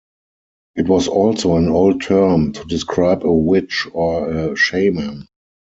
It was also an old term to describe a witch or a shaman.